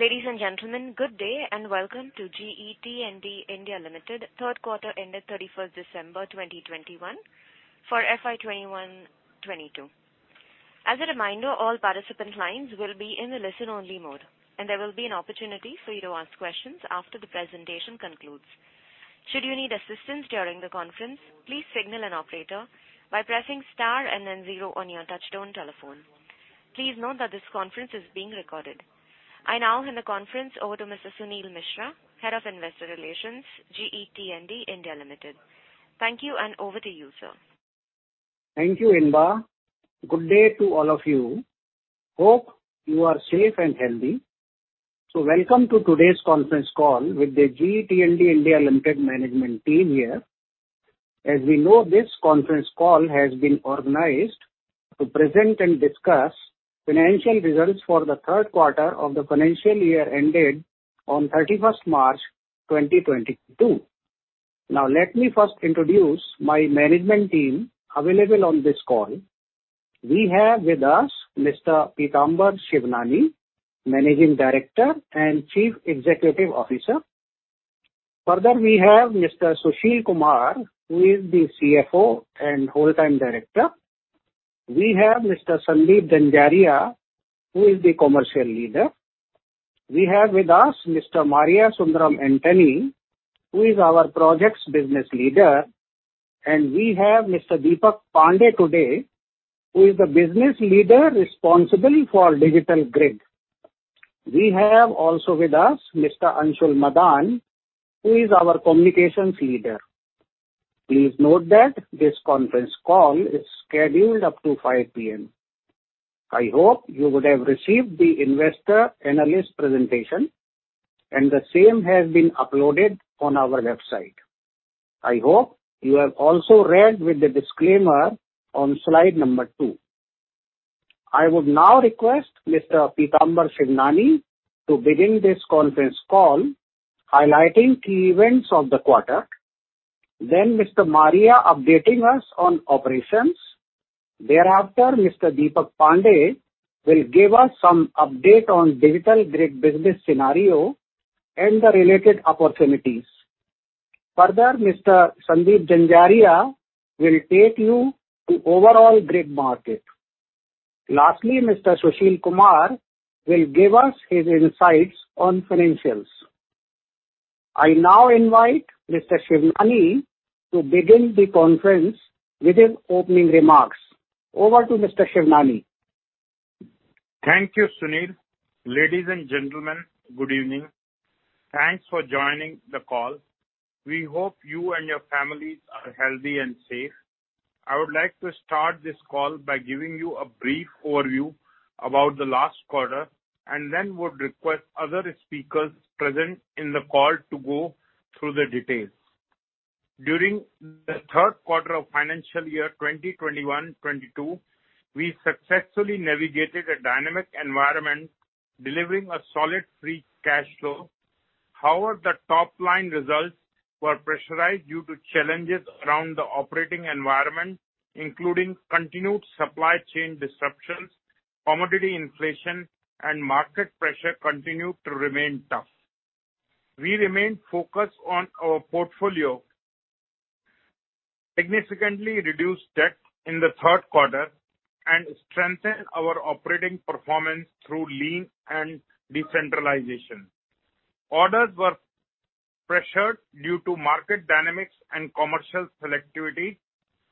Ladies and gentlemen, good day and welcome to GE T&D India Limited Third Quarter ended 31 December 2021 for FY 2021/2022. As a reminder, all participant lines will be in a listen-only mode, and there will be an opportunity for you to ask questions after the presentation concludes. Should you need assistance during the conference, please signal an operator by pressing star and then zero on your touchtone telephone. Please note that this conference is being recorded. I now hand the conference over to Mr. Suneel Mishra, Head of Investor Relations, GE T&D India Limited. Thank you and over to you, sir. Thank you, Inba. Good day to all of you. Hope you are safe and healthy. Welcome to today's conference call with the GE T&D India Limited management team here. As we know, this conference call has been organized to present and discuss financial results for the third quarter of the financial year ended on 31st March 2022. Now, let me first introduce my management team available on this call. We have with us Mr. Pitamber Shivnani, Managing Director and Chief Executive Officer. Further, we have Mr. Sushil Kumar, who is the CFO and Whole-time Director. We have Mr. Sandeep Zanzaria, who is the Commercial Leader. We have with us Mr. Mariasundaram Antony, who is our Projects Business Leader. We have Mr. Deepak Pandey today, who is the Business Leader responsible for digital grid. We have also with us Mr. Anshul Madaan, who is our Communications Leader. Please note that this conference call is scheduled up to 5:00 P.M. I hope you would have received the investor analyst presentation, and the same has been uploaded on our website. I hope you have also read the disclaimer on slide number 2. I would now request Mr. Pitamber Shivnani to begin this conference call highlighting key events of the quarter, then Mr. Maria updating us on operations. Thereafter, Mr. Deepak Pandey will give us some update on Digital Grid business scenario and the related opportunities. Further, Mr. Sandeep Zanzaria will take you to overall grid market. Lastly, Mr. Sushil Kumar will give us his insights on financials. I now invite Mr. Shivnani to begin the conference with his opening remarks. Over to Mr. Shivnani. Thank you, Suneel. Ladies and gentlemen, good evening. Thanks for joining the call. We hope you and your families are healthy and safe. I would like to start this call by giving you a brief overview about the last quarter and then would request other speakers present in the call to go through the details. During the third quarter of financial year 2021/2022, we successfully navigated a dynamic environment, delivering a solid free cash flow. However, the top-line results were pressurized due to challenges around the operating environment, including continued supply chain disruptions, commodity inflation, and market pressure continued to remain tough. We remain focused on our portfolio, significantly reduced debt in the third quarter, and strengthened our operating performance through lean and decentralization. Orders were pressured due to market dynamics and commercial selectivity.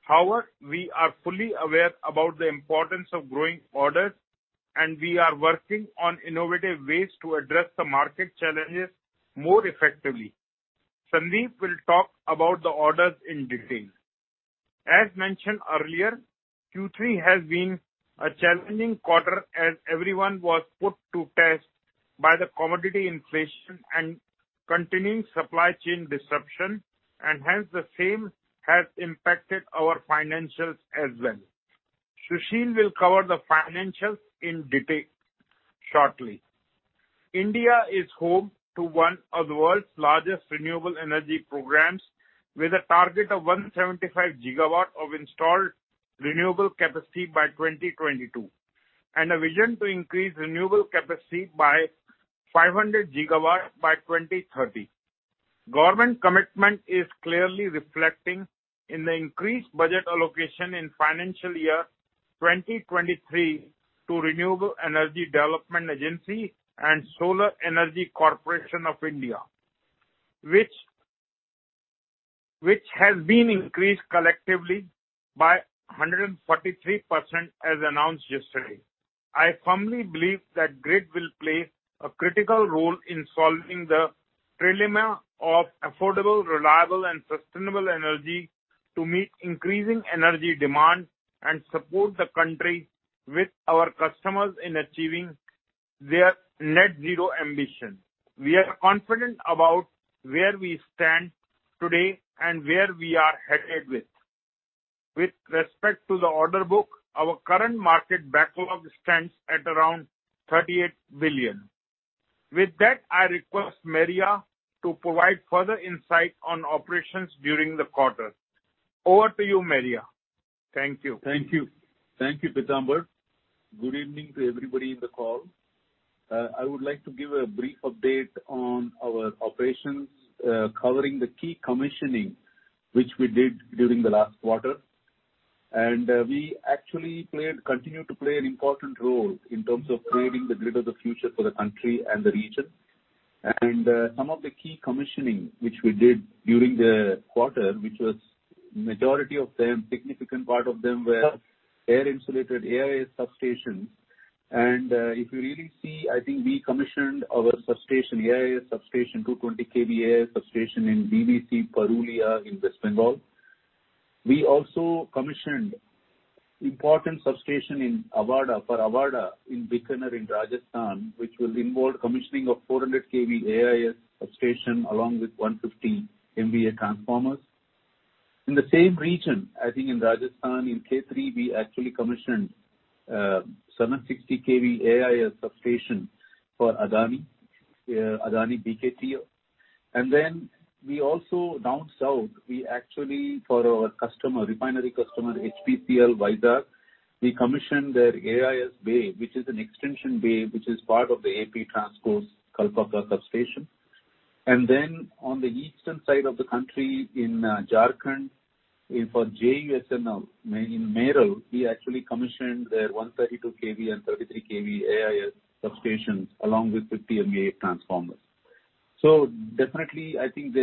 However, we are fully aware about the importance of growing orders, and we are working on innovative ways to address the market challenges more effectively. Sandeep will talk about the orders in detail. As mentioned earlier, Q3 has been a challenging quarter as everyone was put to test by the commodity inflation and continuing supply chain disruption, and hence the same has impacted our financials as well. Sushil will cover the financials in detail shortly. India is home to one of the world's largest renewable energy programs, with a target of 175 GW of installed renewable capacity by 2022, and a vision to increase renewable capacity by 500 GW by 2030. Government commitment is clearly reflecting in the increased budget allocation in financial year 2023 to Renewable Energy Development Agency and Solar Energy Corporation of India, which has been increased collectively by 143% as announced yesterday. I firmly believe that grid will play a critical role in solving the dilemma of affordable, reliable, and sustainable energy to meet increasing energy demand and support the country with our customers in achieving their net zero ambition. We are confident about where we stand today and where we are headed. With respect to the order book, our current market backlog stands at around 38 billion. With that, I request Maria to provide further insight on operations during the quarter. Over to you, Maria. Thank you. Thank you. Thank you, Pitamber. Good evening to everybody in the call. I would like to give a brief update on our operations, covering the key commissioning which we did during the last quarter. We actually continued to play an important role in terms of creating the grid of the future for the country and the region. Some of the key commissioning which we did during the quarter, which was majority of them, significant part of them, were air insulated, AIS substations. If you really see, I think we commissioned our substation, AIS substation, 220 kV substation in DVC Purulia in West Bengal. We also commissioned important substation in Avaada, for Avaada in Bikaner in Rajasthan, which will involve commissioning of 400 kV AIS substation along with 150 MVA transformers. In the same region, I think in Rajasthan in Khavda, we actually commissioned 760 kV AIS substation for Adani Adani BKTL. Then we also down south, we actually for our customer, refinery customer, HPCL Vizag, we commissioned their AIS bay, which is an extension bay, which is part of the APTRANSCO Kalpaka substation. On the eastern side of the country in Jharkhand for JUSNL in Meral, we actually commissioned their 132 kV and 33 kV AIS substations along with 50 MVA transformers. Definitely, I think,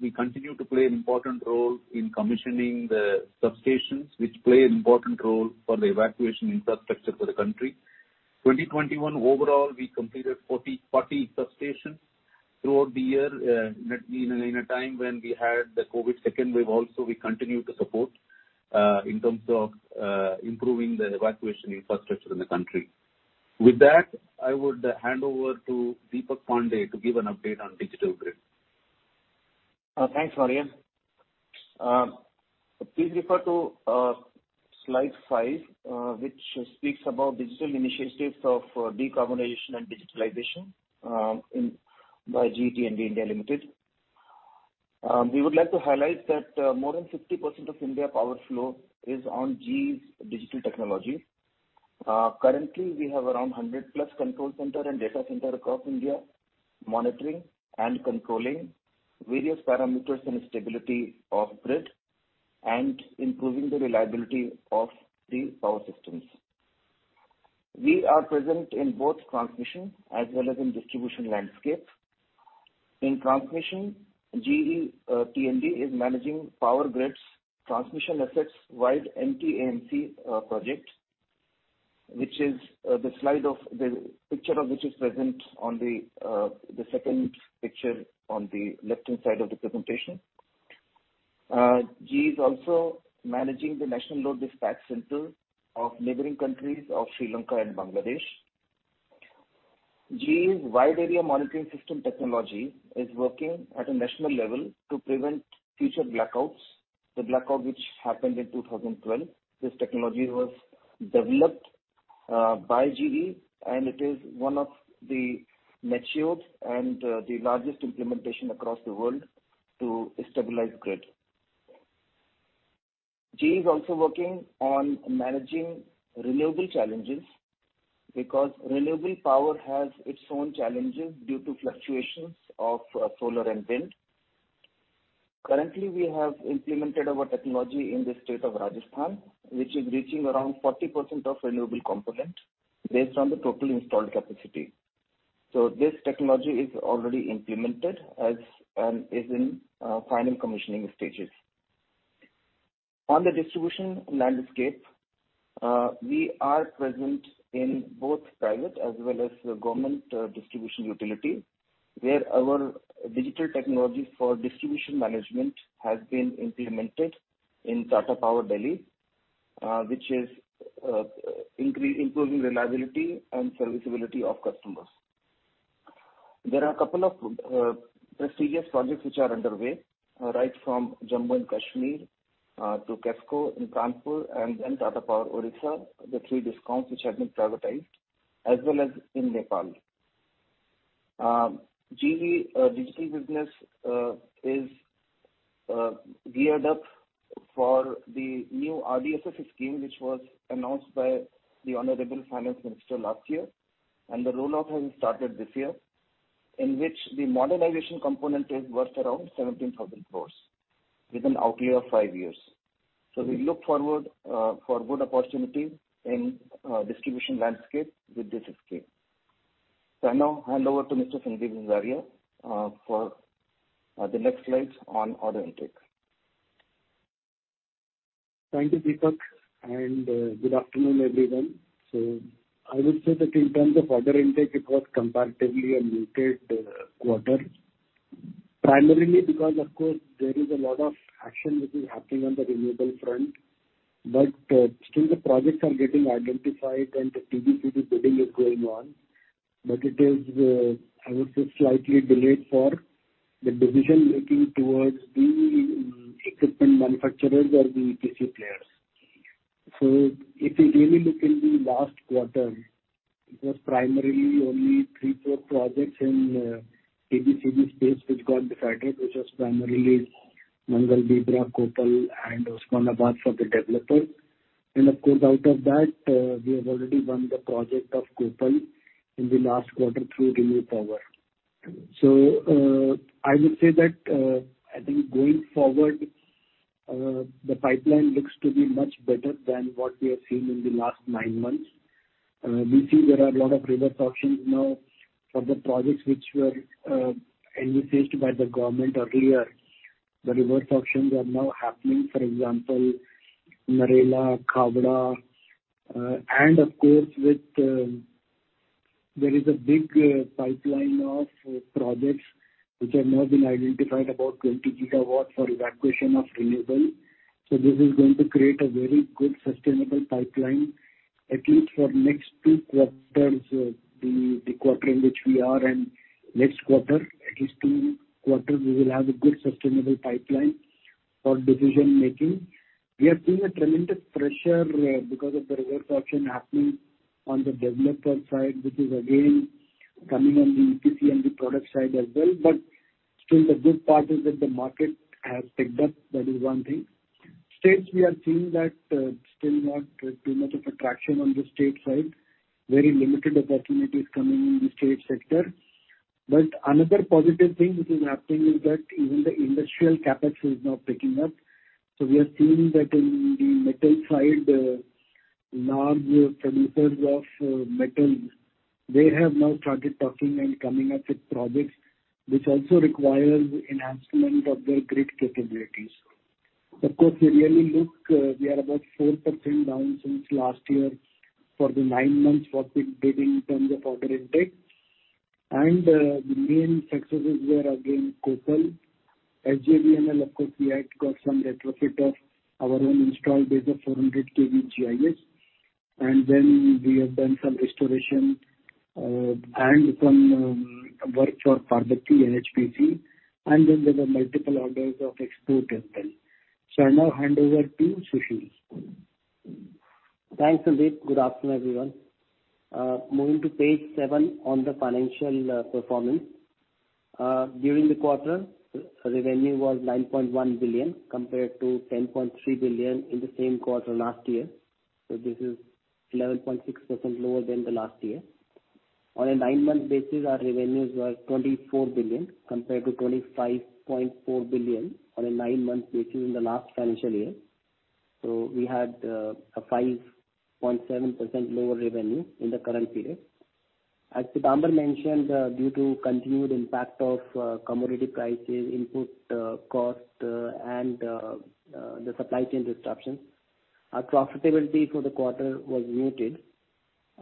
we continue to play an important role in commissioning the substations, which play an important role for the evacuation infrastructure for the country. 2021 overall, we completed 40 substations throughout the year. In a time when we had the COVID second wave also, we continued to support in terms of improving the evacuation infrastructure in the country. With that, I would hand over to Deepak Pandey to give an update on Digital Grid. Thanks, Maria. Please refer to slide five, which speaks about digital initiatives of decarbonization and digitalization in GE T&D India Limited. We would like to highlight that more than 50% of India power flow is on GE's digital technology. Currently we have around 100+ control center and data center across India, monitoring and controlling various parameters and stability of grid and improving the reliability of the power systems. We are present in both transmission as well as in distribution landscape. In transmission, GE T&D is managing power grids, transmission assets wide MTMC project, which is the slide of the picture of which is present on the second picture on the left-hand side of the presentation. GE is also managing the national load dispatch center of neighboring countries of Sri Lanka and Bangladesh. GE's Wide Area Monitoring System technology is working at a national level to prevent future blackouts. The blackout which happened in 2012. This technology was developed by GE, and it is one of the matured and the largest implementation across the world to stabilize grid. GE is also working on managing renewable challenges because renewable power has its own challenges due to fluctuations of solar and wind. Currently, we have implemented our technology in the state of Rajasthan, which is reaching around 40% of renewable component based on the total installed capacity. This technology is already implemented as is in final commissioning stages. On the distribution landscape, we are present in both private as well as government distribution utility, where our digital technology for distribution management has been implemented in Tata Power Delhi, which is improving reliability and serviceability of customers. There are a couple of prestigious projects which are underway, right from Jammu and Kashmir to KESCO in Kanpur and then Tata Power Odisha, the three discoms which have been privatized as well as in Nepal. GE digital business is geared up for the new RDSS scheme, which was announced by the Honorable Finance Minister last year. The rollout has started this year, in which the modernization component is worth around 17,000 crore with an outlay of five years. We look forward for good opportunities in distribution landscape with this scheme. I now hand over to Mr. Sandeep Zanzaria for the next slides on order intake. Thank you, Deepak, and good afternoon, everyone. I would say that in terms of order intake, it was comparatively a muted quarter. Primarily because, of course, there is a lot of action which is happening on the renewable front. Still the projects are getting identified and the TBCB bidding is going on. It is, I would say slightly delayed for the decision-making towards the equipment manufacturers or the EPC players. If you really look in the last quarter, it was primarily only 3-4 projects in the TBCB space which got affected, which was primarily Mangal Bindra, Koppal and Osmanabad for the developers. Of course, out of that, we have already won the project of Koppal in the last quarter through ReNew Power. I would say that I think going forward, the pipeline looks to be much better than what we have seen in the last nine months. We see there are a lot of reverse auctions now for the projects which were envisaged by the government earlier. The reverse auctions are now happening, for example, Narela, Khavda, and of course with, there is a big pipeline of projects which have now been identified about 20 GW for evacuation of renewable. This is going to create a very good sustainable pipeline, at least for next two quarters. The quarter in which we are and next quarter, at least two quarters, we will have a good sustainable pipeline for decision making. We are seeing tremendous pressure because of the reverse auction happening on the developer side, which is again coming on the EPC and the product side as well. Still, the good part is that the market has picked up. That is one thing. States we are seeing that still not too much of a traction on the state side. Very limited opportunities coming in the state sector. Another positive thing which is happening is that even the industrial CapEx is now picking up. We are seeing that in the metal side large producers of metals, they have now started talking and coming up with projects which also require enhancement of their grid capabilities. Of course, if you really look, we are about 4% down since last year for the nine months what we did in terms of order intake. The main successes were again, Koppal. HJBML, of course, we had got some retrofit of our own installed base of 400 kV GIS. We have done some restoration, and some work for Parbati NHPC. There were multiple orders of export tender. I now hand over to Sushil. Thanks, Sandeep. Good afternoon, everyone. Moving to page seven on the financial performance. During the quarter, revenue was 9.1 billion, compared to 10.3 billion in the same quarter last year. This is 11.6% lower than the last year. On a nine-month basis, our revenues were 24 billion, compared to 25.4 billion on a nine-month basis in the last financial year. We had a 5.7% lower revenue in the current period. As Pitamber mentioned, due to continued impact of commodity prices, input cost, and the supply chain disruptions, our profitability for the quarter was muted.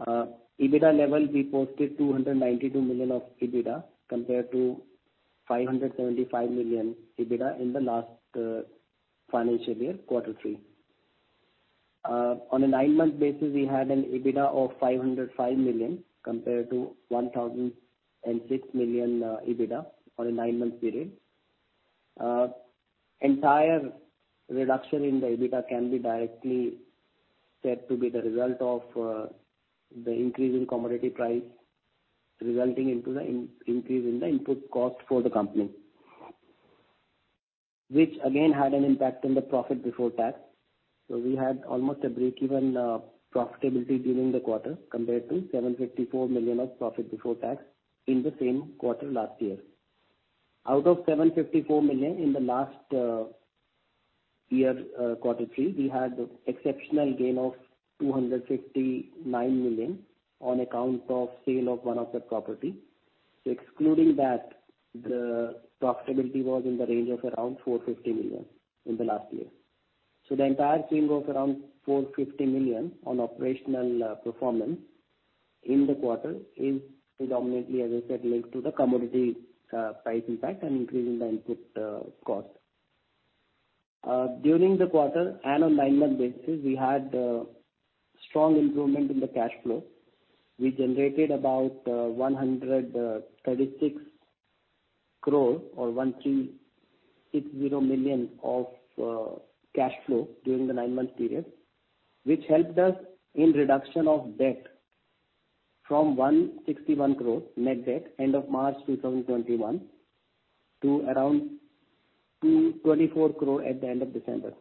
EBITDA level, we posted 292 million of EBITDA, compared to 575 million EBITDA in the last financial year, quarter three. On a nine-month basis, we had an EBITDA of 505 million, compared to 1,006 million EBITDA on a nine-month period. Entire reduction in the EBITDA can be directly said to be the result of the increase in commodity price, resulting into the increase in the input cost for the company, which again had an impact on the profit before tax. We had almost a breakeven profitability during the quarter, compared to 754 million of profit before tax in the same quarter last year. Out of 754 million in the last year, quarter three, we had exceptional gain of 259 million on account of sale of one of the property. Excluding that, the profitability was in the range of around 450 million in the last year. The entire change of around 450 million on operational performance in the quarter is predominantly, as I said, linked to the commodity price impact and increase in the input cost. During the quarter and on nine-month basis, we had strong improvement in the cash flow. We generated about 136 crore or 1,360 million of cash flow during the nine-month period, which helped us in reduction of debt from 161 crore net debt, end of March 2021, to around 224 crore at the end of December.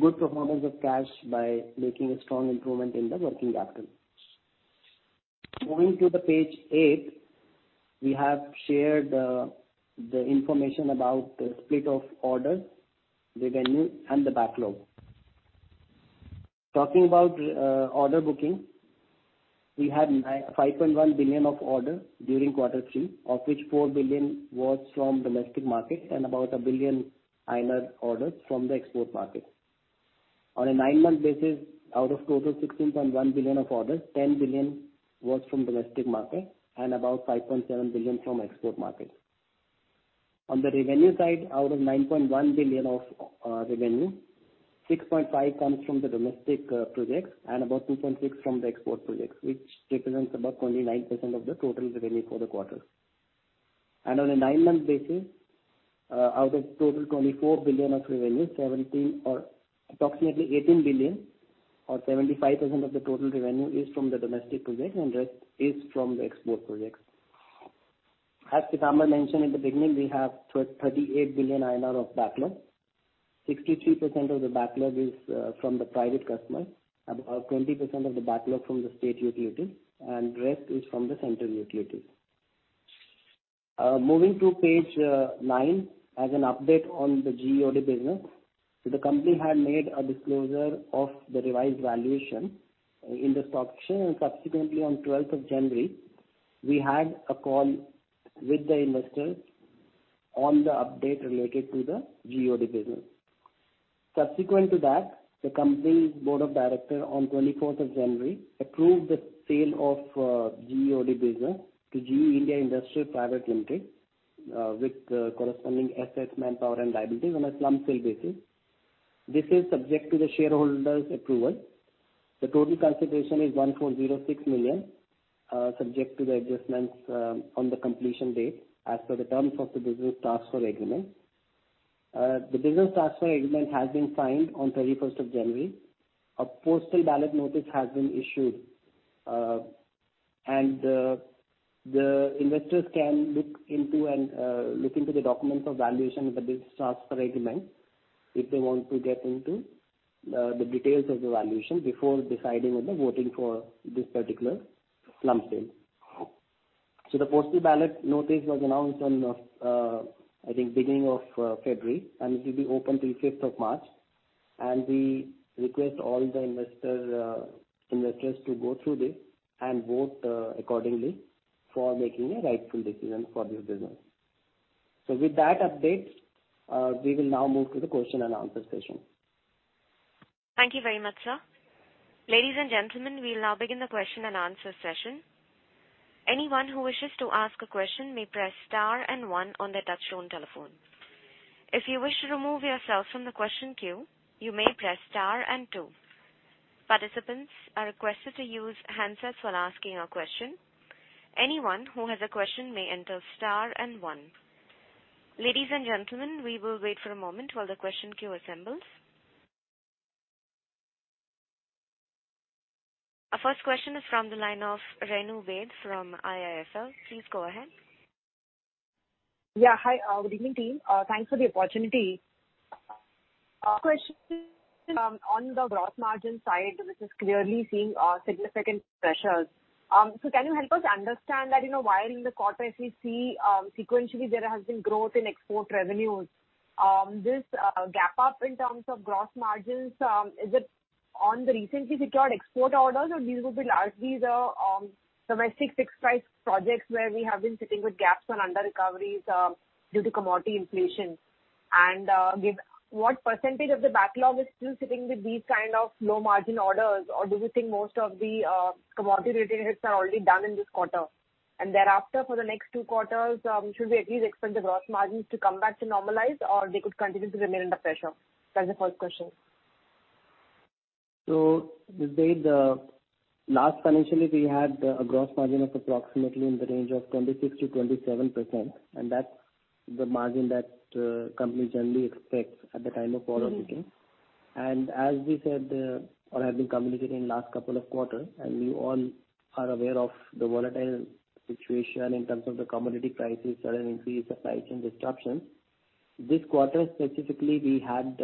Good performance of cash by making a strong improvement in the working capital. Going to the page 8, we have shared the information about the split of orders, revenue, and the backlog. Talking about order booking, we had 5.1 billion of orders during quarter three, of which 4 billion was from domestic market and about 1 billion INR orders from the export market. On a nine-month basis, out of total 16.1 billion of orders, 10 billion was from domestic market and about 5.7 billion from export market. On the revenue side, out of 9.1 billion of revenue, 6.5 billion comes from the domestic projects and about 2.6 billion from the export projects, which represents about 29% of the total revenue for the quarter. On a nine-month basis, out of total 24 billion of revenue, 17 billion or approximately 18 billion or 75% of the total revenue is from the domestic projects and rest is from the export projects. As Pitamber mentioned in the beginning, we have 38 billion INR of backlog. 63% of the backlog is from the private customer, about 20% of the backlog from the state utility, and rest is from the central utility. Moving to page nine, as an update on the GEOD business, the company had made a disclosure of the revised valuation in the stock section, and subsequently on `12th of January, we had a call with the investors on the update related to the GEOD business. Subsequent to that, the company's board of director on 24th of January approved the sale of GEOD business to GE India Industrial Private Limited with the corresponding assets, manpower and liabilities on a lump sale basis. This is subject to the shareholders approval. The total consideration is 1.06 million, subject to the adjustments, on the completion date as per the terms of the business transfer agreement. The business transfer agreement has been signed on 31st of January. A postal ballot notice has been issued, and the investors can look into the documents of valuation of the business transfer agreement if they want to get into the details of the valuation before deciding on the voting for this particular lump sum. The postal ballot notice was announced on, I think, beginning of February, and it will be open till 5th of March. We request all the investors to go through this and vote accordingly for making a rightful decision for this business. With that update, we will now move to the question and answer session. Thank you very much, sir. Ladies and gentlemen, we'll now begin the question and answer session. Anyone who wishes to ask a question may press star and one on their touchtone telephone. If you wish to remove yourself from the question queue, you may press star and two. Participants are requested to use handsets when asking a question. Anyone who has a question may enter star and one. Ladies and gentlemen, we will wait for a moment while the question queue assembles. Our first question is from the line of Renu Baid from IIFL. Please go ahead. Yeah. Hi. Good evening team. Thanks for the opportunity. Question on the gross margin side, this is clearly seeing significant pressures. Can you help us understand that, you know, while in the quarter we see sequentially there has been growth in export revenues, this gap up in terms of gross margins, is it on the recently secured export orders or these would be largely the domestic fixed price projects where we have been sitting with gaps on under recoveries due to commodity inflation? Give what percentage of the backlog is still sitting with these kind of low margin orders or do you think most of the commodity related hits are already done in this quarter. Thereafter for the next two quarters, should we at least expect the gross margins to come back to normalize, or they could continue to remain under pressure? That's the first question. This way the last fiscal year we had a gross margin of approximately in the range of 26%-27%, and that's the margin that the company generally expects at the time of order booking. Mm-hmm. As we said or have been communicating last couple of quarters, and you all are aware of the volatile situation in terms of the commodity prices, sudden increase of price and disruptions, this quarter specifically, we had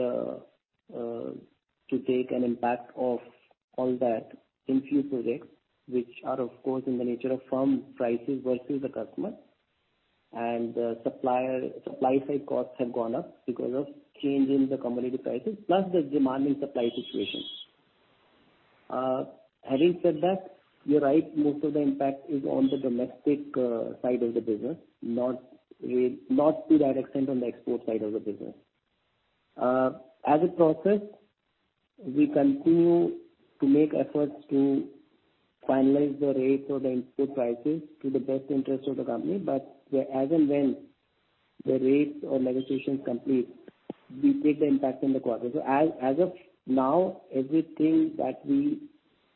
to take an impact of all that in few projects, which are of course in the nature of firm prices versus the customer. Supplier supply side costs have gone up because of change in the commodity prices plus the demand and supply situation. Having said that, you're right, most of the impact is on the domestic side of the business, not to that extent on the export side of the business. As a process, we continue to make efforts to finalize the rates or the input prices to the best interest of the company, but as and when the rates or negotiations complete, we take the impact in the quarter. As of now, everything that we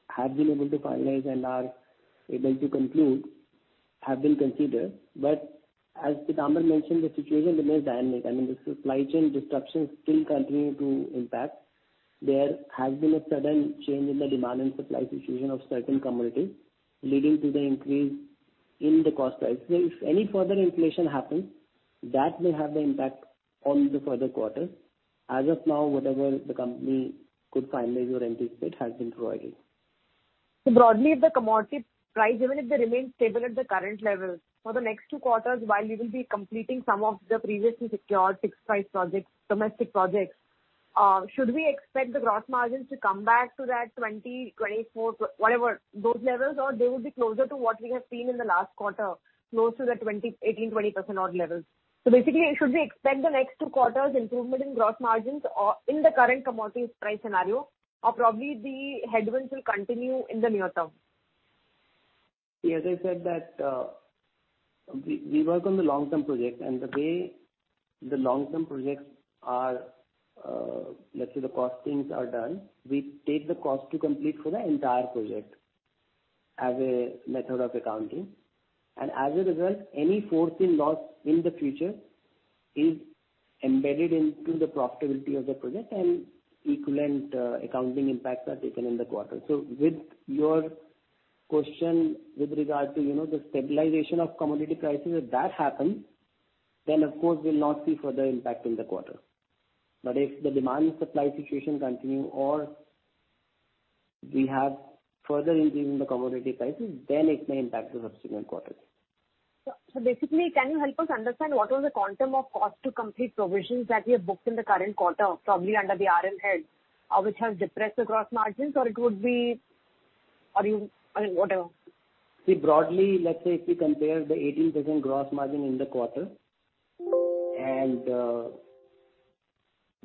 have been able to finalize and are able to conclude have been considered. As Pitamber mentioned, the situation remains dynamic. I mean, the supply chain disruptions still continue to impact. There has been a sudden change in the demand and supply situation of certain commodities, leading to the increase in the cost price. If any further inflation happens, that may have the impact on the further quarters. As of now, whatever the company could finalize or anticipate has been provided. Broadly, if the commodity price, even if they remain stable at the current levels, for the next two quarters while you will be completing some of the previously secured fixed price projects, domestic projects, should we expect the gross margins to come back to that 20-24, whatever those levels, or they would be closer to what we have seen in the last quarter, close to the 18-20% odd levels? Basically, should we expect the next two quarters improvement in gross margins or in the current commodity price scenario, or probably the headwinds will continue in the near term? Yes, I said that, we work on the long-term projects and the way the long-term projects are, let's say the costings are done, we take the cost to complete for the entire project as a method of accounting. As a result, any foreseen loss in the future is embedded into the profitability of the project and equivalent accounting impacts are taken in the quarter. With your question with regard to, you know, the stabilization of commodity prices, if that happens, then of course we'll not see further impact in the quarter. If the demand supply situation continue or we have further increase in the commodity prices, then it may impact the subsequent quarters. Basically, can you help us understand what was the quantum of cost to complete provisions that you have booked in the current quarter, probably under the RM head, which has depressed the gross margins? Or it would be. Or you, I mean, whatever. See, broadly, let's say if we compare the 18% gross margin in the quarter and the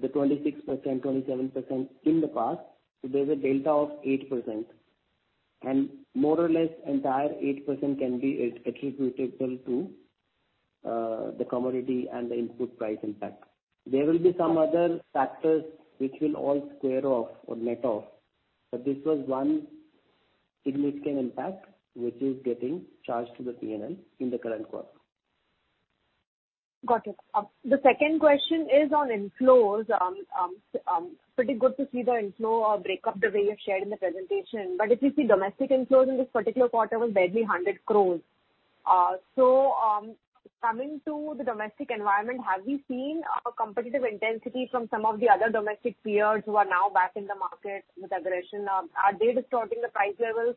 26%-27% in the past, so there's a delta of 8%. More or less entire 8% can be attributable to the commodity and the input price impact. There will be some other factors which will all square off or net off, but this was one significant impact which is getting charged to the P&L in the current quarter. Got it. The second question is on inflows. Pretty good to see the inflow breakup the way you've shared in the presentation. If you see domestic inflows in this particular quarter was barely 100 crore. Coming to the domestic environment, have you seen a competitive intensity from some of the other domestic peers who are now back in the market with aggression? Are they distorting the price levels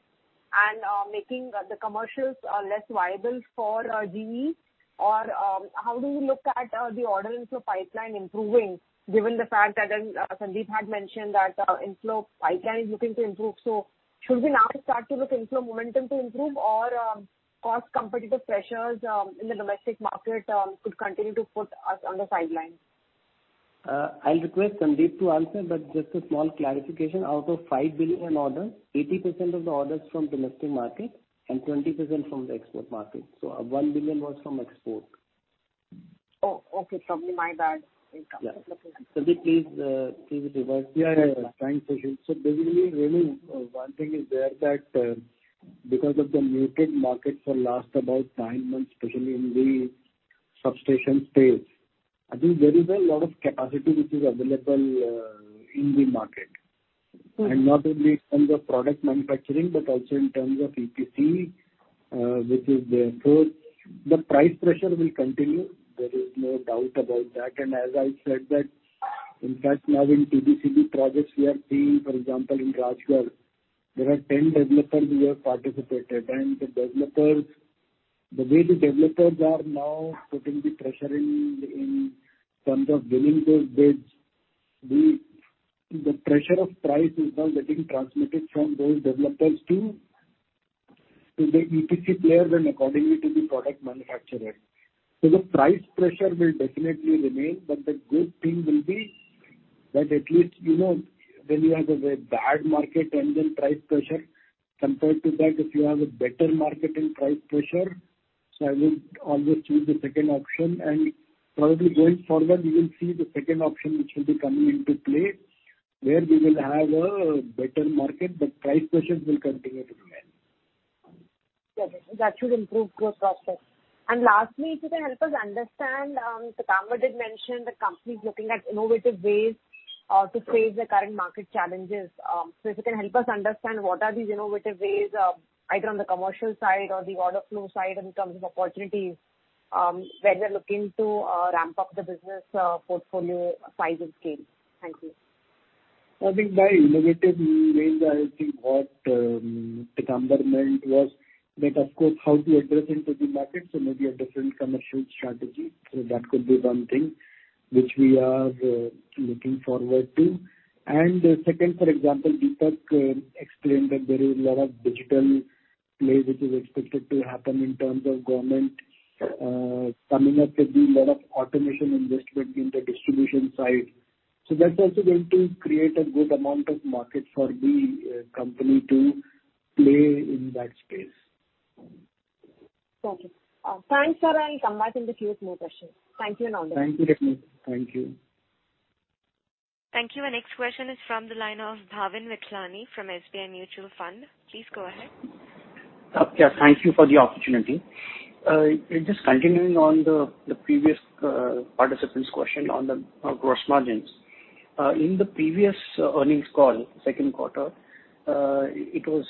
and making the commercials less viable for GE? Or how do you look at the order inflow pipeline improving, given the fact that Sandeep had mentioned that inflow pipeline is looking to improve? Should we now start to look inflow momentum to improve or cost competitive pressures in the domestic market could continue to put us on the sidelines? I'll request Sandeep to answer, but just a small clarification. Out of 5 billion orders, 80% of the orders from domestic market and 20% from the export market. One billion was from export. Oh, okay. Probably my bad. Yeah. Sandeep, please revise. Yeah, thanks, Sushil. Basically really, one thing is there that, because of the muted market for last about nine months, especially in the substation space, I think there is a lot of capacity which is available, in the market. Not only in terms of product manufacturing, but also in terms of EPC, which is there. The price pressure will continue. There is no doubt about that. As I said that, in fact, now in PBDB projects, we are seeing, for example, in Rajgarh, there are 10 developers who have participated. The developers, the way the developers are now putting the pressure in terms of winning those bids, the pressure of price is now getting transmitted from those developers to the EPC players and accordingly to the product manufacturer. The price pressure will definitely remain, but the good thing will be that at least, you know, when you have a bad market and then price pressure, compared to that if you have a better market and price pressure, so I would always choose the second option. Probably going forward, we will see the second option which will be coming into play, where we will have a better market, but price pressures will continue to remain. Okay. That should improve growth process. Lastly, if you can help us understand, Pitamber did mention the company is looking at innovative ways to face the current market challenges. If you can help us understand what are these innovative ways, either on the commercial side or the order flow side in terms of opportunities, where we are looking to ramp up the business portfolio size and scale. Thank you. I think by innovative means, I think what Pitamber meant was that, of course, how to access the market, so maybe a different commercial strategy. That could be one thing which we are looking forward to. Second, for example, Deepak explained that there is a lot of digital play which is expected to happen in terms of government coming up. There'll be lot of automation investment in the distribution side. That's also going to create a good amount of market for the company to play in that space. Thank you. Thanks, sir. I will come back in the queue with more questions. Thank you and all the best. Thank you, Renu. Thank you. Thank you. Our next question is from the line of Bhavin Vithlani from SBI Mutual Fund. Please go ahead. Yeah, thank you for the opportunity. Just continuing on the previous participant's question on gross margins. In the previous earnings call, second quarter, it was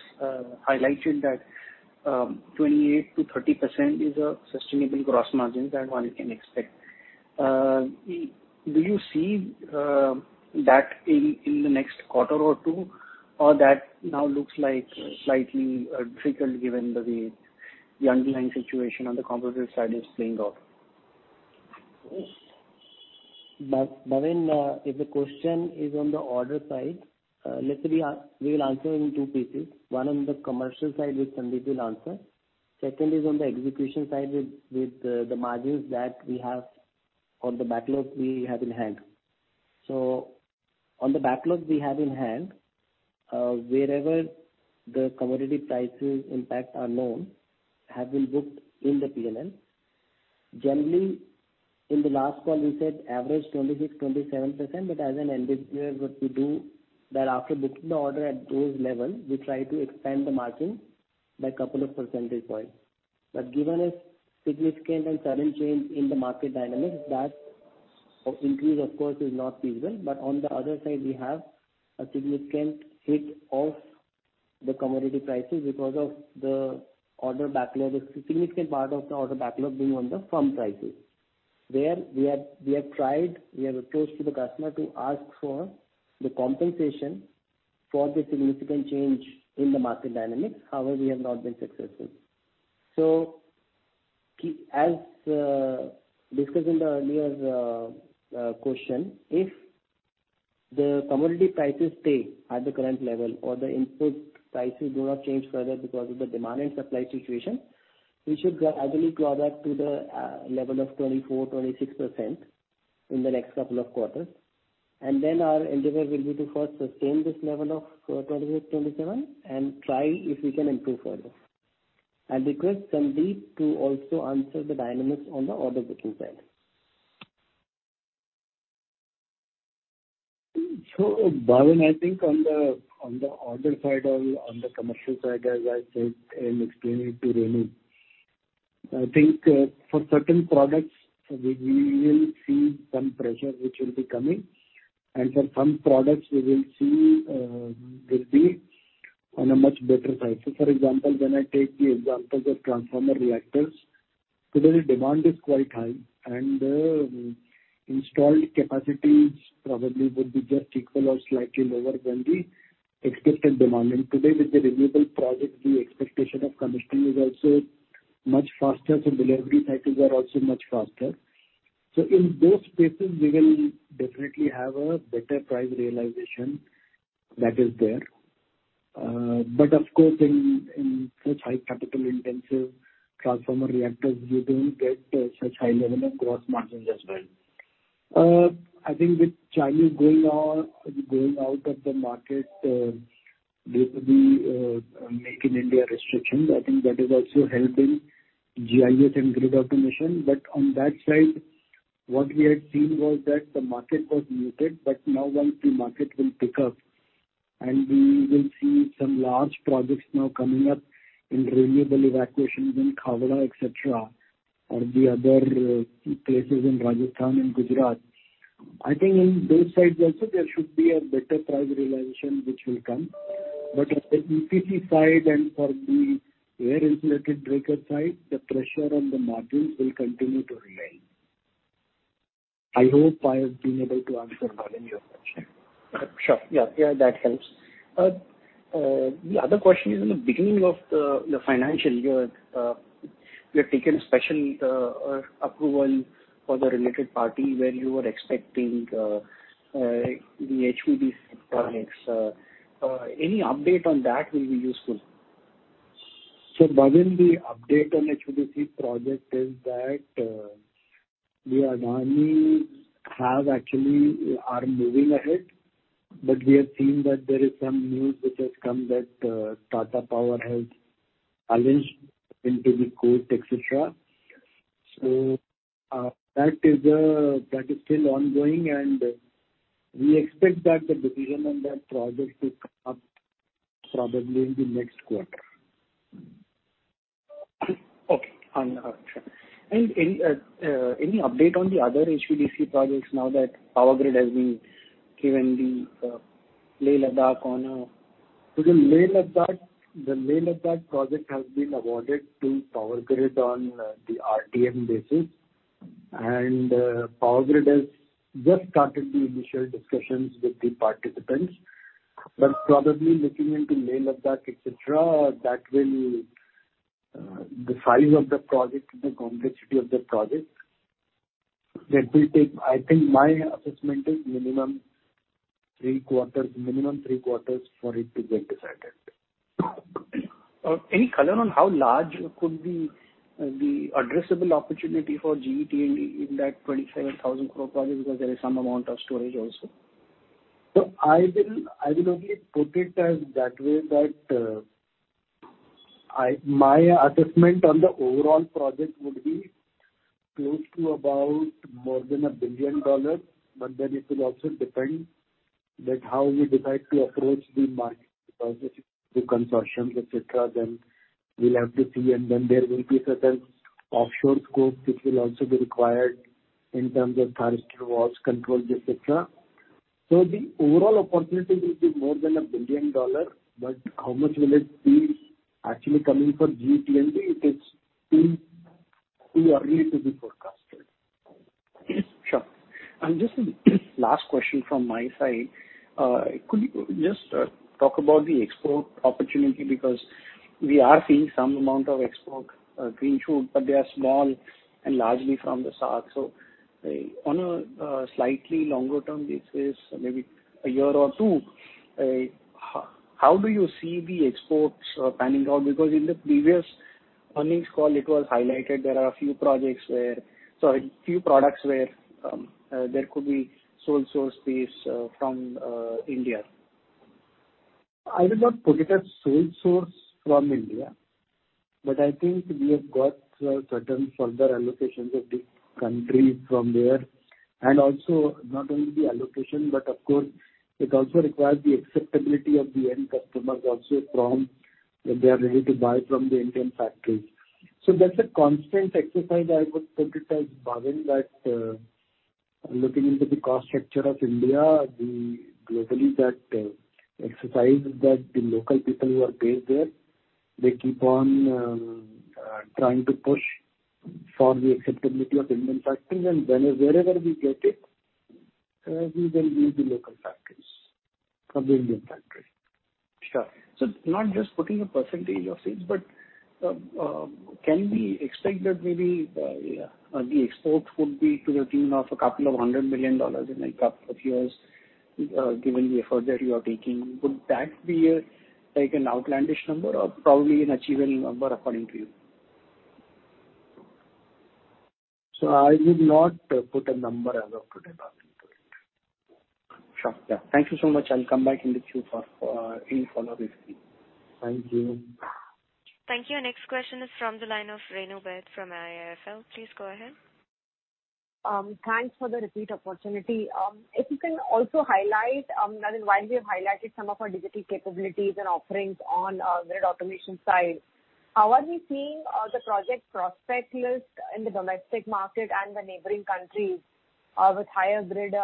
highlighted that 28%-30% is a sustainable gross margin that one can expect. Do you see that in the next quarter or two? Or that now looks like slightly difficult given the way the underlying situation on the composite side is playing out? Bhavin, if the question is on the order side, let's say we will answer in two pieces. One on the commercial side, which Sandeep will answer. Second is on the execution side with the margins that we have or the backlog we have in hand. On the backlog we have in hand, wherever the commodity prices impact are known, have been booked in the P&L. Generally, in the last call we said average 26%-27%. As we do that after booking the order at those levels, we try to expand the margin by a couple of percentage points. Given a significant and sudden change in the market dynamics, that increase of course is not feasible. On the other side, we have a significant hit of the commodity prices because of the order backlog. A significant part of the order backlog being on the firm prices. We have approached the customer to ask for the compensation for the significant change in the market dynamics. However, we have not been successful. As discussed in the earlier question, if the commodity prices stay at the current level or the input prices do not change further because of the demand and supply situation, we should ideally go back to the level of 24%-26% in the next couple of quarters. Our endeavor will be to first sustain this level of 26%-27% and try if we can improve further. I request Sandeep to also answer the dynamics on the order booking side. Bhavin, I think on the order side or on the commercial side, as I said and explained it to Renu, I think for certain products we will see some pressure which will be coming, and for some products we will see will be on a much better price. For example, when I take the examples of transformer reactors, today the demand is quite high and the installed capacities probably would be just equal or slightly lower than the expected demand. Today with the renewable project the expectation of commissioning is also much faster, so delivery cycles are also much faster. In those spaces, we will definitely have a better price realization that is there. But of course, in such high capital intensive transformer reactors, you don't get such high level of gross margins as well. I think with China going out of the market, due to the Make in India restrictions, I think that is also helping GIS and grid automation. On that side, what we had seen was that the market was muted. Now once the market will pick up and we will see some large projects now coming up in renewable evacuations in Khavda, et cetera, or the other key places in Rajasthan and Gujarat. I think in those sites also there should be a better price realization which will come. At the EPT side and for the air insulated breaker side, the pressure on the margins will continue to remain. I hope I have been able to answer, Bhavin, your question. Sure. Yeah, that helps. The other question is in the beginning of the financial year, you had taken special approval for the related party where you were expecting the HVDC projects. Any update on that will be useful. Bhavin, the update on HVDC project is that the Adani are actually moving ahead, but we have seen that there is some news which has come that Tata Power has challenged in the court, et cetera. That is still ongoing, and we expect that the decision on that project to come up probably in the next quarter. Okay. Understood. Any update on the other HVDC projects now that Power Grid has been given the Leh-Ladakh order? The Leh-Ladakh project has been awarded to Power Grid on the RTM basis. Power Grid has just started the initial discussions with the participants. Probably looking into Leh-Ladakh, et cetera, the size of the project and the complexity of the project, that will take, I think my assessment is minimum three quarters for it to get decided. Any color on how large could the addressable opportunity for GE T&D in that 25,000 crore project? Because there is some amount of storage also. I will only put it as that way that my assessment on the overall project would be close to about more than $1 billion. It will also depend on how we decide to approach the market, because the consortiums, et cetera, then we'll have to see and then there will be certain offshore scope which will also be required in terms of thyristor valves and control, et cetera. The overall opportunity will be more than $1 billion, but how much will it be actually coming for GETLD it is too early to be forecasted. Sure. Just last question from my side. Could you just talk about the export opportunity? Because we are seeing some amount of export green shoot, but they are small and largely from the SAARC. On a slightly longer term basis, maybe a year or two, how do you see the exports panning out? Because in the previous earnings call it was highlighted there are a few products where there could be sole source basis from India. I will not put it as sole source from India, but I think we have got certain further allocations of the country from there. Also not only the allocation, but of course, it also requires the acceptability of the end customers also from that they are ready to buy from the Indian factories. That's a constant exercise. I would put it as, Bhavin, that looking into the cost structure of India, we globally that exercise that the local people who are based there, they keep on trying to push for the acceptability of Indian factories. Wherever we get it, we will use the local factories from the Indian factory. Not just putting a percentage of sales, but can we expect that the exports would be to the tune of $200 million in a couple of years, given the effort that you are taking? Would that be an outlandish number or an achievable number according to you? I would not put a number as of today, Bhavin, to it. Sure. Yeah. Thank you so much. I'll come back in the queue for any follow-up with you. Thank you. Thank you. Next question is from the line of Renu Baid from IIFL. Please go ahead. Thanks for the repeat opportunity. If you can also highlight, I mean, while you've highlighted some of our digital capabilities and offerings on the Grid Automation side, how are we seeing the project prospect list in the domestic market and the neighboring countries with higher grid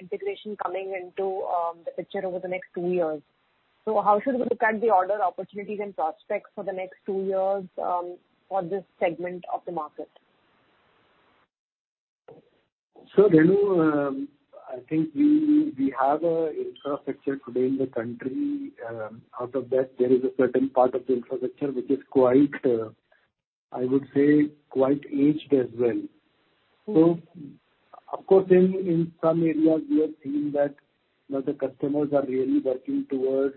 integration coming into the picture over the next two years? How should we look at the order opportunities and prospects for the next two years for this segment of the market? Renu, I think we have an infrastructure today in the country. Out of that, there is a certain part of the infrastructure which is quite, I would say, quite aged as well. Of course, in some areas we are seeing that, you know, the customers are really working towards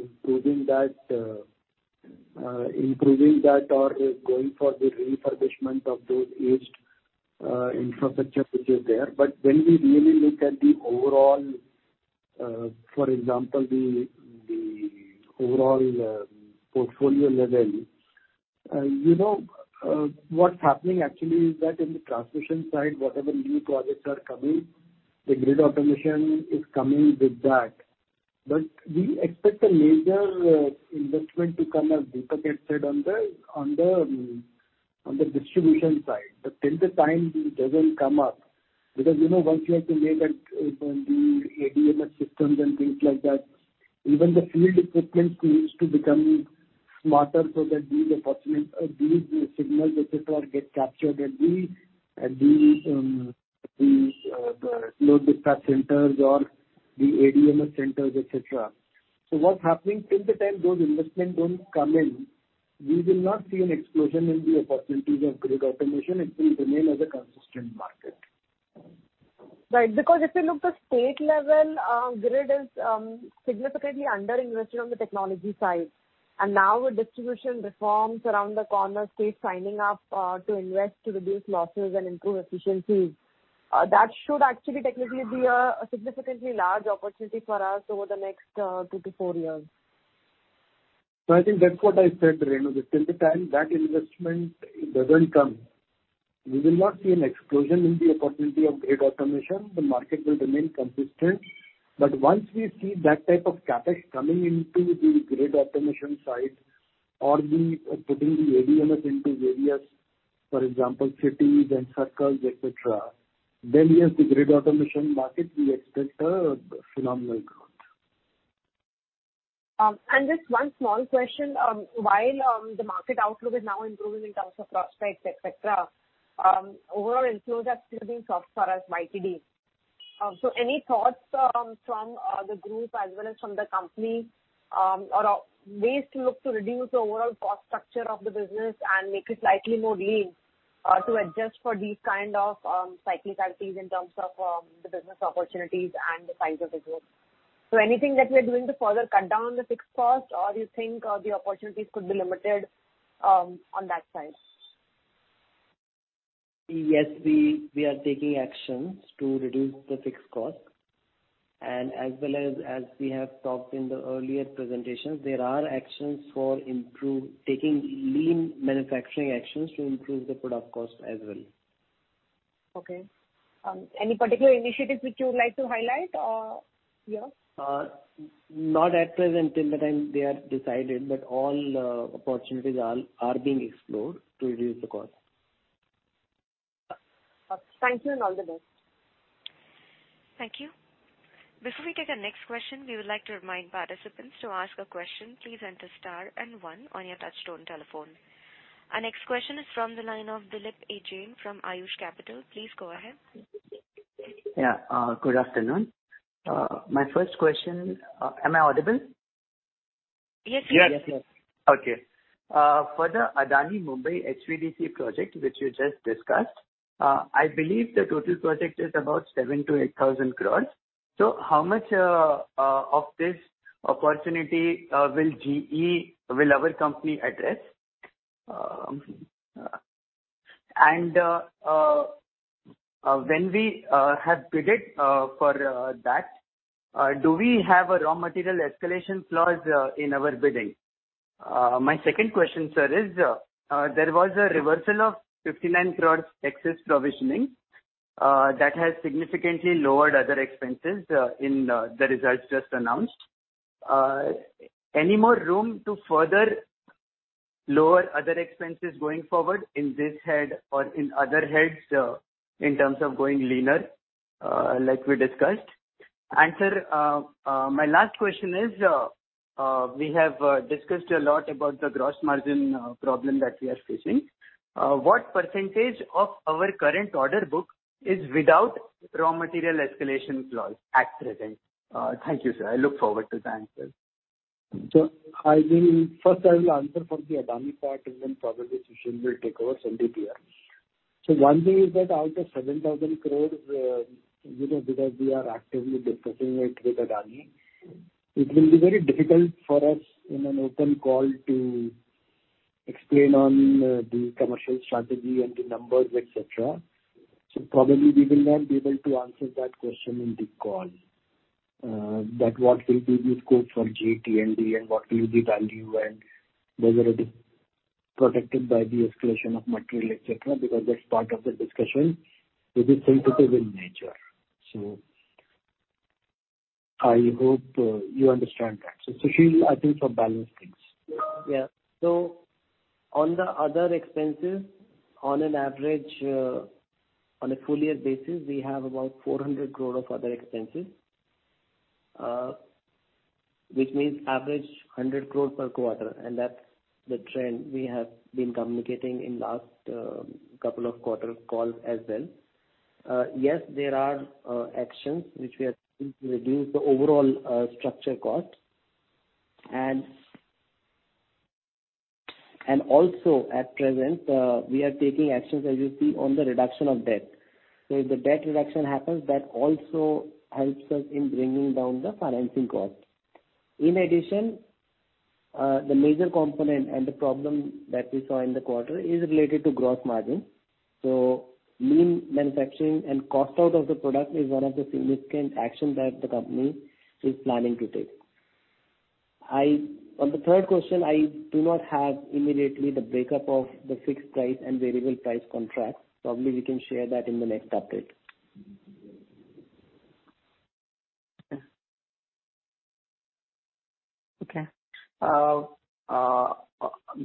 improving that or going for the refurbishment of those aged infrastructure which is there. When we really look at the overall, for example, the overall portfolio level, you know, what's happening actually is that in the transmission side, whatever new projects are coming, the Grid Automation is coming with that. We expect a major investment to come, as Deepak has said, on the distribution side. Till the time it doesn't come up, because, you know, once you have to make the ADMS systems and things like that, even the field equipment needs to become smarter so that these opportunities or these signals et cetera get captured at the load dispatch centers or the ADMS centers, et cetera. What's happening till the time those investments don't come in, we will not see an explosion in the opportunities of grid automation. It will remain as a consistent market. Right. Because if you look at the state level, grid is significantly under-invested on the technology side. Now with distribution reforms around the corner, states signing up to invest to reduce losses and improve efficiency, that should actually technically be a significantly large opportunity for us over the next two to four years. I think that's what I said, Renu. Till the time that investment doesn't come, we will not see an explosion in the opportunity of grid automation. The market will remain consistent. Once we see that type of CapEx coming into the grid automation side or the putting the ADMS into various, for example, cities and circles, et cetera, then yes, the grid automation market, we expect a phenomenal growth. Just one small question. While the market outlook is now improving in terms of prospects, et cetera, overall inflows are still being soft for us YTD. Any thoughts from the group as well as from the company or ways to look to reduce the overall cost structure of the business and make it slightly more lean to adjust for these kind of cyclicalities in terms of the business opportunities and the size of the group? Anything that we are doing to further cut down the fixed cost or you think the opportunities could be limited on that side? Yes, we are taking actions to reduce the fixed cost. As well as we have talked in the earlier presentations, there are actions taking Lean Manufacturing actions to improve the product cost as well. Okay. Any particular initiatives which you would like to highlight, or yeah? Not at present till the time they are decided, but all opportunities are being explored to reduce the cost. Thank you, and all the best. Thank you. Before we take our next question, we would like to remind participants to ask a question, please enter star and one on your touchtone telephone. Our next question is from the line of Dilip Jain from Ayush Capital. Please go ahead. Yeah. Good afternoon. My first question, am I audible? Yes. Yes. Okay. For the Adani Mumbai HVDC Project, which you just discussed, I believe the total project is about 7,000-8,000 crore. How much of this opportunity will our company address? When we have bid for that, do we have a raw material escalation clause in our bidding? My second question, sir, is there was a reversal of 59 crore excess provisioning that has significantly lowered other expenses in the results just announced. Any more room to further lower other expenses going forward in this head or in other heads, in terms of going leaner, like we discussed? Sir, my last question is, we have discussed a lot about the gross margin problem that we are facing. What percentage of our current order book is without raw material escalation clause at present? Thank you, sir. I look forward to the answers. I will first answer for the Adani part and then probably Sushil will take over CDP. One thing is that out of 7,000 crore, because we are actively discussing it with Adani, it will be very difficult for us in an open call to explain on the commercial strategy and the numbers, etc. Probably we will not be able to answer that question in the call. That, what will be the scope for GE T&D and what will be the value, and those are protected by the escalation of material, etc. Ebcause that's part of the discussion which is sensitive in nature. I hope you understand that. Sushil, I think for balance things. Yeah. On the other expenses, on an average, on a full year basis, we have about 400 crore of other expenses, which means average 100 crore per quarter, and that's the trend we have been communicating in last couple of quarter calls as well. Yes, there are actions which we are taking to reduce the overall structure cost. And also at present, we are taking actions, as you see, on the reduction of debt, if the debt reduction happens, that also helps us in bringing down the financing cost. In addition, the major component and the problem that we saw in the quarter is related to gross margin. Lean Manufacturing and cost out of the product is one of the significant action that the company is planning to take. On the third question, I do not have immediately the breakup of the fixed price and variable price contract. Probably we can share that in the next update. Okay,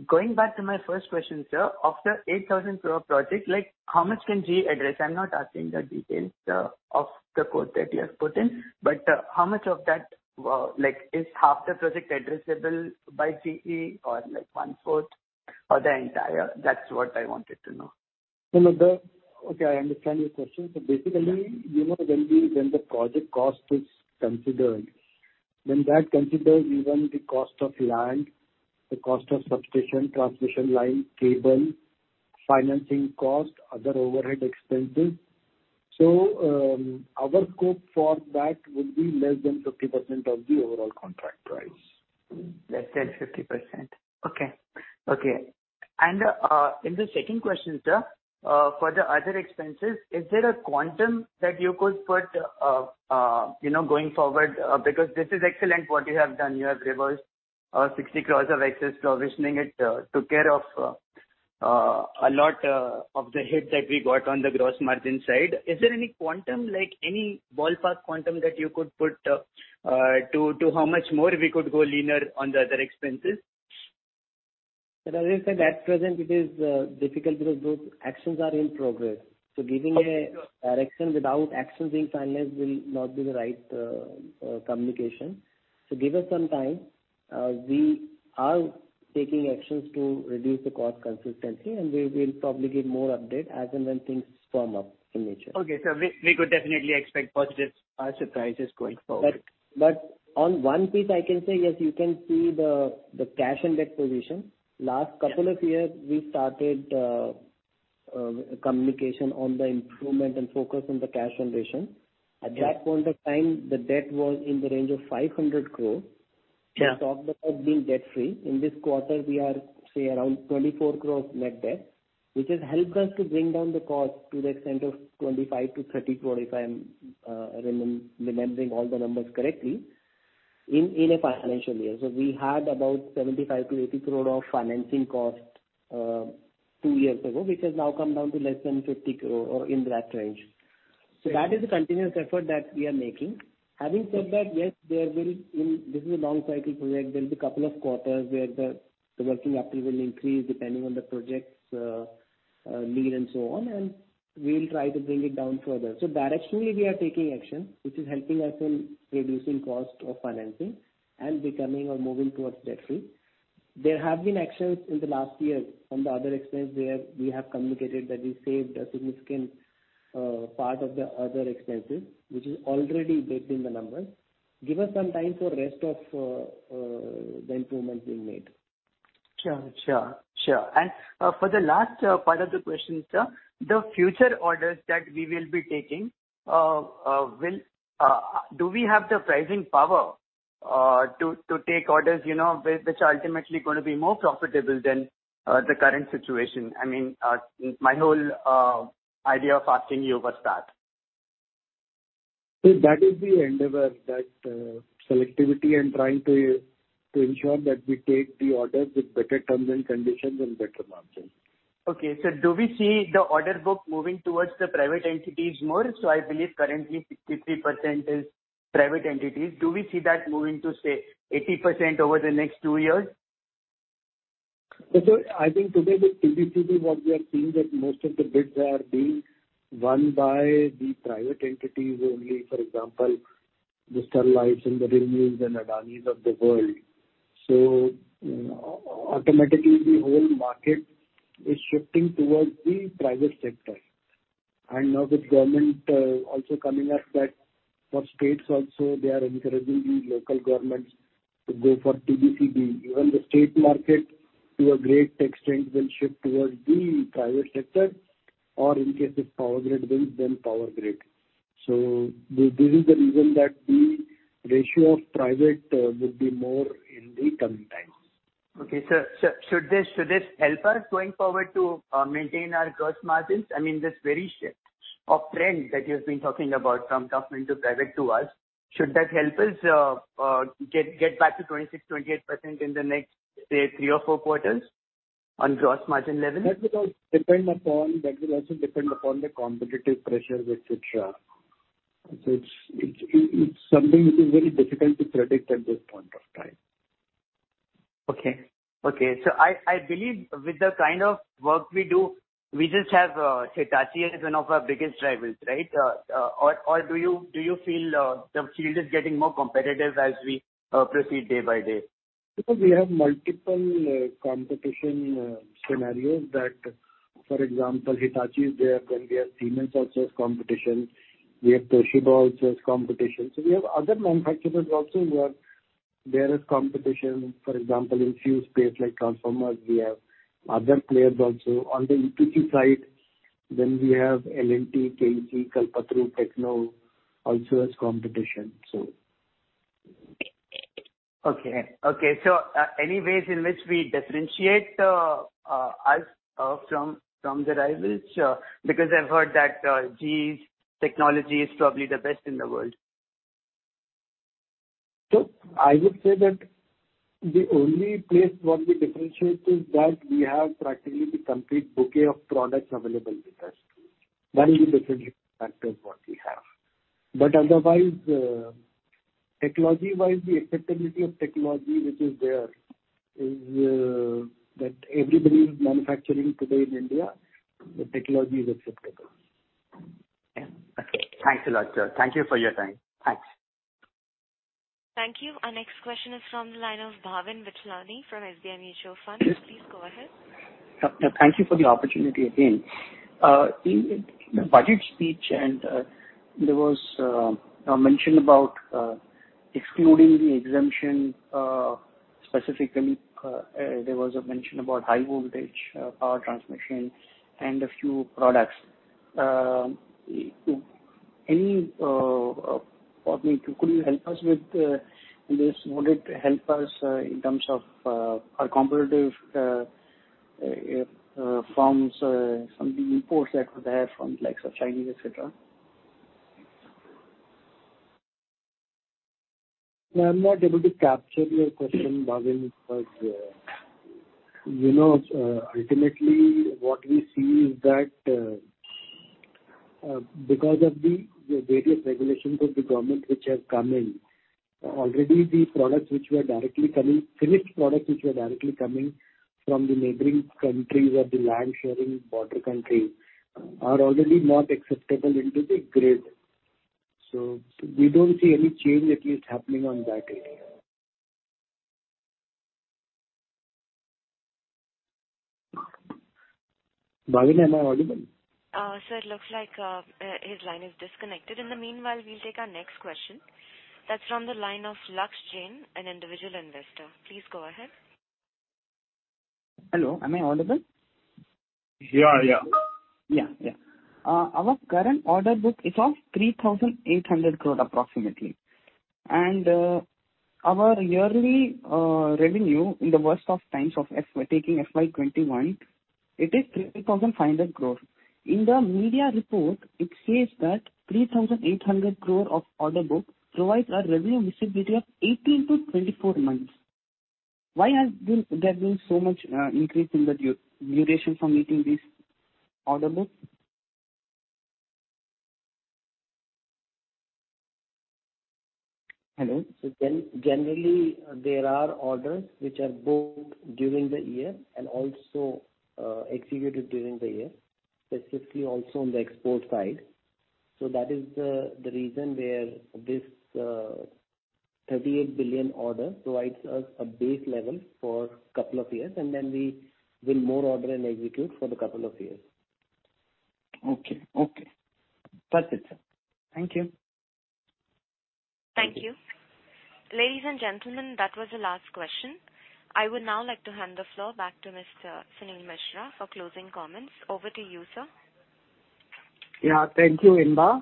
going back to my first question, sir. Of the 8,000 crore project, like, how much can GE address? I'm not asking the details of the quote that you have put in, but how much of that, like, is half the project addressable by GE or like 1/4 or the entire? That's what I wanted to know. No, no. Okay, I understand your question. Basically. Yeah. You know, when the project cost is considered, then that considers even the cost of land, the cost of substation, transmission line, cable, financing cost, other overhead expenses. Our scope for that would be less than 50% of the overall contract price. Less than 50%. Okay. In the second question, sir, for the other expenses, is there a quantum that you could put, you know, going forward? Because this is excellent what you have done. You have reversed 60 crore of excess provisioning. It took care of a lot of the hit that we got on the gross margin side. Is there any quantum, like any ballpark quantum that you could put to how much more we could go leaner on the other expenses? As I said, at present, it is difficult because those actions are in progress. Sure. Direction without actions being finalized will not be the right communication. Give us some time. We are taking actions to reduce the cost consistently, and we will probably give more update as and when things firm up in nature. Okay, sir. We could definitely expect positive surprises going forward. On one piece I can say yes, you can see the cash and debt position. Yeah. Last couple of years, we started communication on the improvement and focus on the cash generation. Yeah. At that point of time, the debt was in the range of 500 crore. Yeah. We talked about being debt free. In this quarter we are, say, around 24 crore net debt, which has helped us to bring down the cost to the extent of 25 crore-30 crore, if I'm remembering all the numbers correctly, in a financial year. We had about 75 crore-80 crore of financing cost two years ago, which has now come down to less than 50 crore or in that range. Yeah. That is a continuous effort that we are making. Having said that, yes, there will. This is a long cycle project. There'll be a couple of quarters where the working capital will increase depending on the projects need and so on, and we'll try to bring it down further. Directionally, we are taking action, which is helping us in reducing cost of financing and becoming or moving towards debt free. There have been actions in the last year from the other expense where we have communicated that we saved a significant part of the other expenses, which is already baked in the numbers. Give us some time for the rest of the improvements being made. Sure. For the last part of the question, sir, the future orders that we will be taking, do we have the pricing power to take orders, you know, which are ultimately gonna be more profitable than the current situation? I mean, my whole idea of asking you was that. That is the endeavor that selectivity and trying to ensure that we take the orders with better terms and conditions and better margins. Okay. Do we see the order book moving towards the private entities more? I believe currently 63% is private entities. Do we see that moving to, say, 80% over the next two years? I think today with TBCB, what we are seeing that most of the bids are being won by the private entities only. For example, the Sterlite's and the ReNew's and Adani's of the world. Automatically the whole market is shifting towards the private sector. Now with government also coming at that, for states also, they are encouraging the local governments to go for TBCB. Even the state market, to a great extent, will shift towards the private sector, or in case it's power grid-based, then Power Grid. This is the reason that the ratio of private will be more in the coming times. Okay, should this help us going forward to maintain our gross margins? I mean, this very shift of trend that you've been talking about from government to private to us, should that help us get back to 26%-28% in the next, say, three or four quarters on gross margin levels? That will also depend upon the competitive pressures, which it's something which is very difficult to predict at this point of time. I believe with the kind of work we do, we just have Hitachi as one of our biggest rivals, right? Or do you feel the field is getting more competitive as we proceed day by day? Because we have multiple competition scenarios that, for example, Hitachi is there. We have Siemens also as competition. We have Toshiba also as competition. We have other manufacturers also where there is competition. For example, in a few spaces like transformers, we have other players also. On the EPC side, we have L&T, KEC, Kalpataru, Techno also as competition. Anyways in which we differentiate us from the rivals? Because I've heard that GE's technology is probably the best in the world. I would say that the only place where we differentiate is that we have practically the complete bouquet of products available with us. That is the differentiating factor of what we have. Otherwise, technology-wise, the acceptability of technology which is there is that everybody is manufacturing today in India. The technology is acceptable. Yeah. Okay. Thanks a lot, sir. Thank you for your time. Thanks. Thank you. Our next question is from the line of Bhavin Vithlani from SBI Mutual Fund. Yes. Please go ahead. Thank you for the opportunity again. In the budget speech, there was a mention about excluding the exemption, specifically about high voltage power transmission and a few products. Could you help us with this? Would it help us in terms of our competitiveness from the imports that were there from the likes of Chinese, et cetera? I'm not able to capture your question, Bhavin, but, you know, ultimately what we see is that, because of the various regulations of the government which have come in, already the finished products which were directly coming from the neighboring countries or the land-sharing border countries are already not acceptable into the grid. We don't see any change at least happening on that area. Bhavin, am I audible? Sir, it looks like his line is disconnected. In the meanwhile, we'll take our next question. That's from the line of Lux Jain, an individual investor. Please go ahead. Hello, am I audible? Yeah. Yeah. Yeah, yeah. Our current order book is of 3,800 crore approximately. Our yearly revenue in the worst of times of FY 2021, it is 3,500 crore. In the media report, it says that 3,800 crore of order book provides a revenue visibility of 18-24 months. Why has there been so much increase in the duration for meeting this order book? Hello. Generally, there are orders which are booked during the year and also executed during the year, specifically also on the export side. That is the reason where this 38 billion order provides us a base level for couple of years, and then we will more order and execute for the couple of years. Okay. Okay. That's it, sir. Thank you. Thank you. Ladies and gentlemen, that was the last question. I would now like to hand the floor back to Mr. Suneel Mishra for closing comments. Over to you, sir. Yeah, thank you, Inba.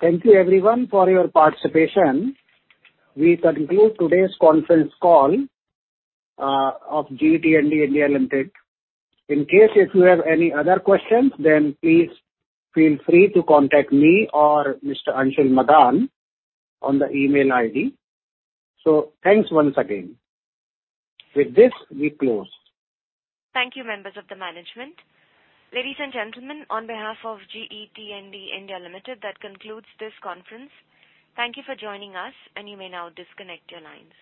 Thank you everyone for your participation. We conclude today's conference call of GE T&D India Limited. In case if you have any other questions, please feel free to contact me or Mr. Anshul Madaan on the email ID. Thanks once again. With this, we close. Thank you, members of the management. Ladies and gentlemen, on behalf of GE T&D India Limited, that concludes this conference. Thank you for joining us, and you may now disconnect your lines.